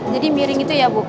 miring itu ya bu